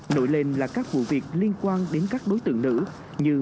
nổi lên là các vụ việc liên quan đến các đối tượng nữ như